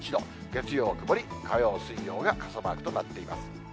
月曜曇り、火曜、水曜が傘マークとなっています。